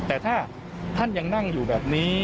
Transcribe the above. แต่ถ้าท่านยังนั่งอยู่แบบนี้